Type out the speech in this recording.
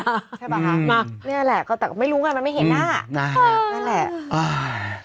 ใช่ป่ะคะนี่แหละแต่ไม่รู้มันไม่เห็นหน้านั่นแหละอ้าว